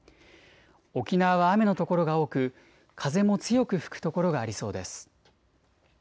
沖縄は雨の所が多く風も強く吹く所がありそうです。